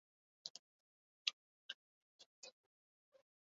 Motoan zihoazen, eta ibilgailuaren kontrola galdu eta taxi baten kontra jo dute.